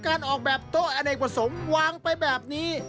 การออกแบบโต๊ะแอนาควัตสมวางไปแบบนี้